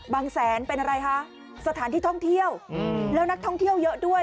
แสนเป็นอะไรคะสถานที่ท่องเที่ยวแล้วนักท่องเที่ยวเยอะด้วย